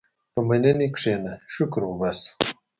په مننې کښېنه، شکر وباسه.